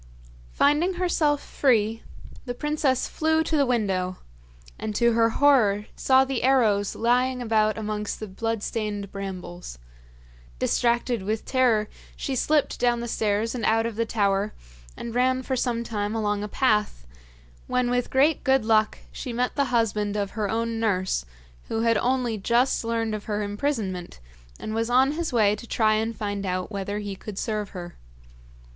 Finding herself free, the princess flew to the window, and to her horror saw the arrows lying about amongst the bloodstained brambles. Distracted with terror she slipped down the stairs and out of the tower, and ran for some time along a path, when with great good luck she met the husband of her own nurse, who had only just learned of her imprisonment, and was on his way to try and find out whether he could serve her.